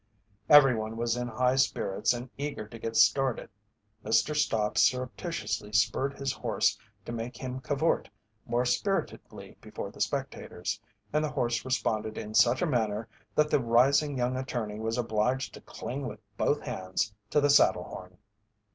Everyone was in high spirits and eager to get started. Mr. Stott surreptitiously spurred his horse to make him cavort more spiritedly before the spectators, and the horse responded in such a manner that the rising young attorney was obliged to cling with both hands to the saddle horn.